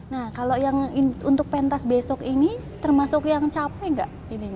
nah kalau yang untuk pentas besok ini termasuk yang capek nggak